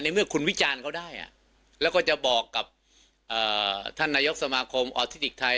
เมื่อคุณวิจารณ์เขาได้แล้วก็จะบอกกับท่านนายกสมาคมออทิติกไทย